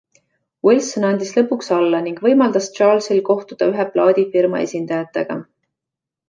Wilson andis lõpuks alla ning võimaldas Charlesil kohtuda ühe plaadifirma esindajatega.